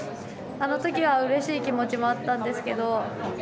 あのときはうれしい気持ちもあったんですけど。